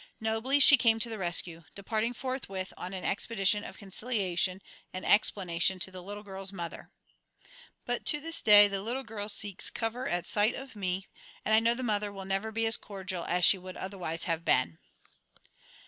Nobly she came to the rescue, departing forthwith on an expedition of conciliation and explanation to the little girl's mother. But to this day the little girl seeks cover at sight of me, and I know the mother will never be as cordial as she would otherwise have been.